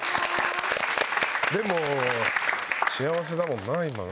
でも幸せだもんな今な。